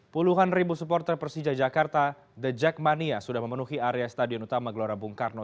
puluhan ribu supporter persija jakarta the jackmania sudah memenuhi area stadion utama gelora bung karno